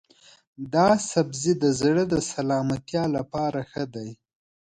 دا سبزی د زړه د سلامتیا لپاره ښه دی.